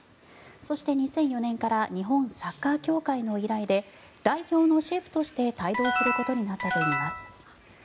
そして、２００４年から日本サッカー協会の依頼で代表のシェフとして帯同することになったといいます。